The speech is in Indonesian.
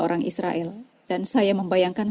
orang israel dan saya membayangkan